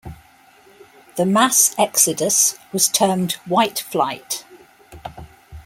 The mass exodus was termed white flight.